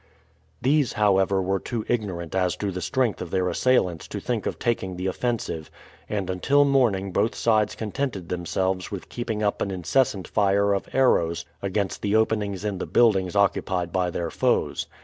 These, however, were too ignorant as to the strength of their assailants to think of taking the offensive, and until morning both sides contented themselves with keeping up an incessant fire of arrows against the openings in the buildings occupied by their foes.